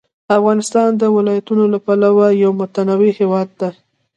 افغانستان د ولایتونو له پلوه یو متنوع هېواد دی.